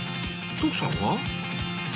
徳さんは？